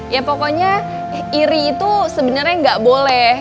ya pokoknya iri itu sebenernya gak boleh